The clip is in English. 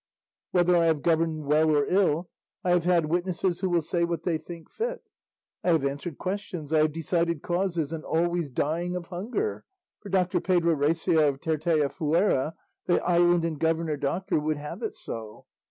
Whether I have governed well or ill, I have had witnesses who will say what they think fit. I have answered questions, I have decided causes, and always dying of hunger, for Doctor Pedro Recio of Tirteafuera, the island and governor doctor, would have it so.